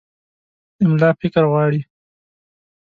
املا فکر غواړي.